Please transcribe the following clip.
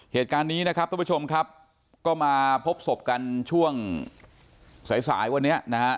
เหตุการณ์นี้นะครับทุกผู้ชมครับก็มาพบศพกันช่วงสายสายวันนี้นะฮะ